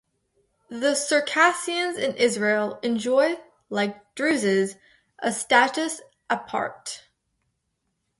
The Circassians in Israel enjoy, like Druzes, a "status aparte".